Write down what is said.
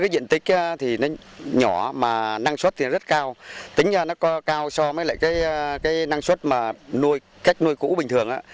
với diện tích nhỏ mà năng suất rất cao tính cao so với năng suất cách nuôi cũ bình thường